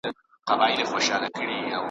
چي په نوم به د اسلام پورته کېدلې .